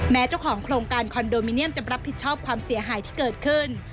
เจ้าของโครงการคอนโดมิเนียมจะรับผิดชอบความเสียหายที่เกิดขึ้น